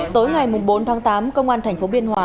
tối ngày bốn tháng tám công an tp biên hòa